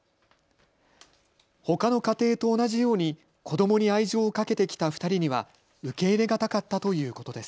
ほかの家庭と同じように子どもに愛情をかけてきた２人には受け入れ難かったということです。